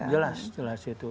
wah jelas jelas itu